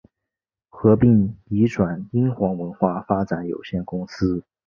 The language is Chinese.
合并移转英皇文化发展有限公司。